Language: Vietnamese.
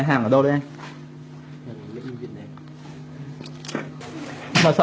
bạn có phát hiện không anh